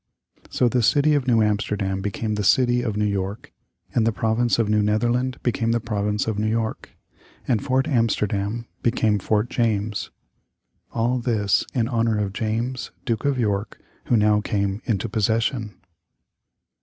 So the city of New Amsterdam became the city of New York, and the province of New Netherland became the province of New York, and Fort Amsterdam became Fort James all this in honor of James, Duke of York, who now came into possession.